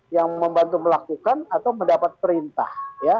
yang membantu melakukan atau mendapat perintah